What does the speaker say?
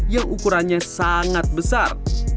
yang ukurannya sangat besar